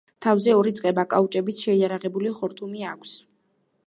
თავზე ორი წყება კაუჭებით შეიარაღებული ხორთუმი აქვს.